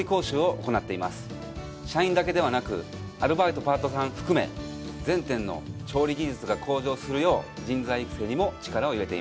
社員だけではなくアルバイトパートさん含め全店の調理技術が向上するよう人材育成にも力を入れています。